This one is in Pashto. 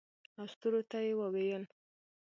او ستورو ته یې وویل